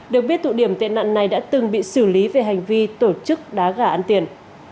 được biết tụ điểm tệ nạn này đã từng bị xử lý về hành vi tổ chức đá gà ăn tiền